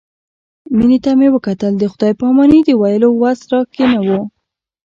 مينې ته مې وکتل د خداى پاماني د ويلو وس راکښې نه و.